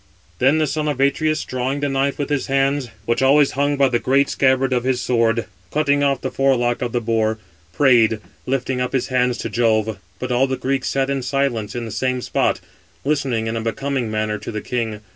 Then the son of Atreus, drawing the knife with his hands, which always hung by the great scabbard of his sword, cutting off the forelock of the boar, prayed, lifting up his hands to Jove; but all the Greeks sat in silence in the same spot, listening in a becoming manner to the king.